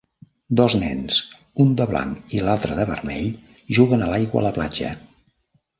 Dos nens, un de blanc i l'altre de vermell, juguen a l'aigua a la platja.